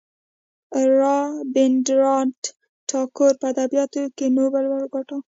رابیندرانات ټاګور په ادبیاتو کې نوبل وګاټه.